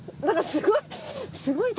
すごい。